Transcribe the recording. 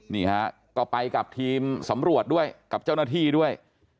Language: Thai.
นี่ฮะก็ไปกับทีมสำรวจด้วยกับเจ้าหน้าที่ด้วย